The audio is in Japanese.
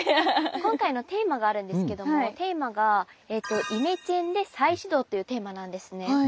今回のテーマがあるんですけどもテーマが「イメチェンで再始動」っていうテーマなんですね。